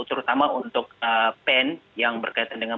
terutama untuk pen yang berkaitan dengan